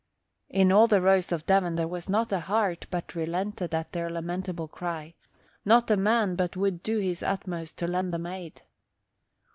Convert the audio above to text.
In all the Rose of Devon there was not a heart but relented at their lamentable cry, not a man but would do his utmost to lend them aid.